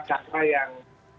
macem macem yang apa